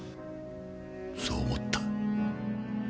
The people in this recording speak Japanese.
そう思った。